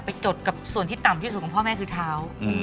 จดกับส่วนที่ต่ำที่สุดของพ่อแม่คือเท้า